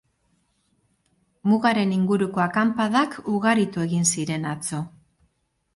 Mugaren inguruko akanpadak ugaritu egin ziren atzo.